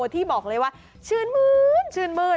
ที่บอกเลยว่าชื่นมื้นชื่นมื้น